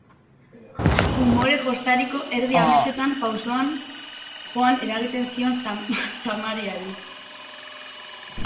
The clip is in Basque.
Umore jostariko, erdi ametsetan, pausoan joan eragiten zion zamariari.